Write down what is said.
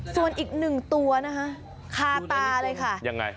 ส่วนอีกหนึ่งตัวนะคะคาตาเลยค่ะยังไง